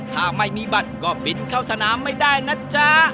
ถ้าไม่มีบัตรก็บินเข้าสนามไม่ได้นะจ๊ะ